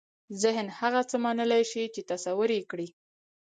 ذهن هغه څه منلای شي چې تصور یې کړي.